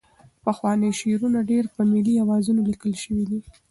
پخواني شعرونه ډېری په ملي اوزانو لیکل شوي دي.